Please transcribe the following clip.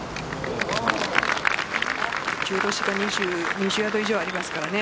２０ヤード以上ありますからね。